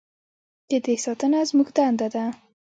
د دې ساتنه زموږ دنده ده؟